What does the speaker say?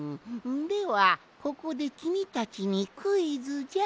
ではここできみたちにクイズじゃ。